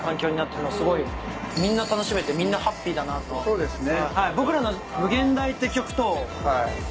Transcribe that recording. そうですね。